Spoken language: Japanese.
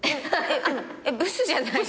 えっブスじゃない。